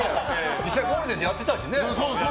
実際ゴールデンでやってたしね。